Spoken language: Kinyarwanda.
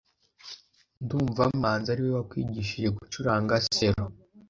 ndumva manzi ariwe wakwigishije gucuranga selo